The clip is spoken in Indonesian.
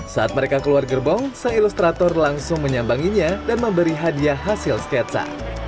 saat mereka keluar gerbong sang ilustrator langsung menyambanginya dan memberi hadiah hasil sketsa